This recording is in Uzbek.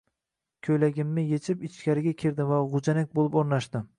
Ko`ylagimni echib, ichkariga kirdim va g`ujanak bo`lib o`rnashdim